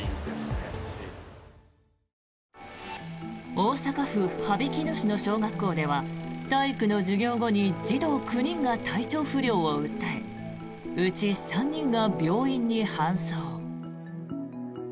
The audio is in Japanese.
大阪府羽曳野市の小学校では体育の授業後に児童９人が体調不良を訴えうち３人が病院に搬送。